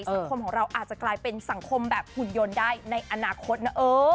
สังคมของเราอาจจะกลายเป็นสังคมแบบหุ่นยนต์ได้ในอนาคตนะเออ